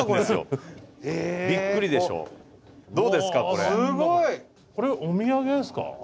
すごい！これお土産ですか？